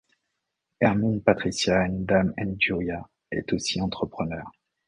Hermine Patricia Ndam Njoya est aussi entrepreneure.